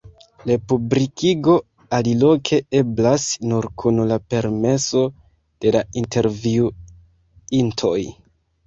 Republikigo aliloke eblas nur kun la permeso de la intervjuintoj.